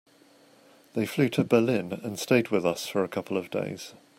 They flew to Berlin and stayed with us for a couple of days.